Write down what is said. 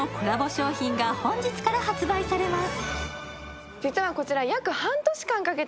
商品が本日から発売されます。